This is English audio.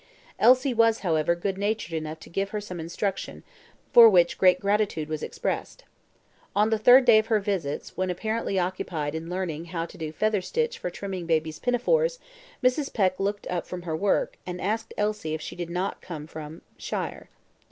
Elsie was, however, good natured enough to give her some instruction, for which great gratitude was expressed. On the third day of her visits, when apparently occupied in learning how to do featherstitch for trimming baby's pinafores, Mrs. Peck looked up from her work, and asked Elsie if she did not come from shire.